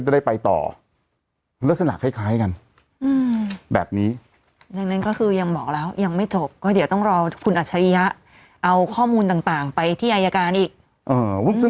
ใช่ไหมละเราจะไปรู้ได้ไงเขาทำกิจกรรมก็ไม่รู้